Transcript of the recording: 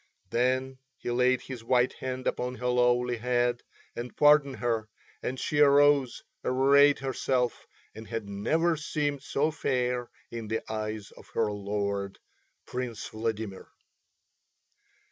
Then he laid his white hand upon her lowly head and pardoned her, and she arose, arrayed herself, and had never seemed so fair in the eyes of her lord, Prince Vladimir.